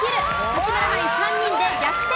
勝村ナイン３人で逆転。